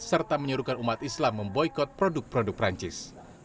serta menyuruhkan umat islam memboykot produk produk perancis